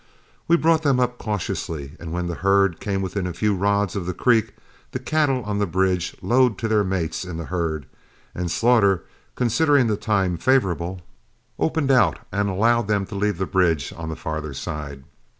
We brought them up cautiously, and when the herd came within a few rods of the creek the cattle on the bridge lowed to their mates in the herd, and Slaughter, considering the time favorable, opened out and allowed them to leave the bridge on the farther side.